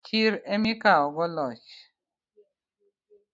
Chir emikawogo loch